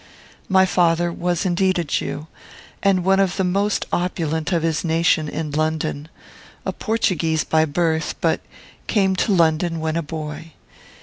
"My father was indeed a Jew, and one of the most opulent of his nation in London, a Portuguese by birth, but came to London when a boy.